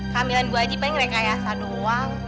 kehamilan bu aji paling rekayasa doang